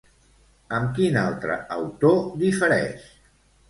Amb quin altre autor difereix?